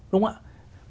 đúng không ạ